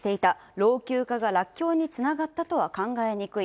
老朽化が落橋につながったとは考えにくい。